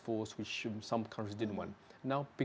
dan telah dilakukan pada bulan julai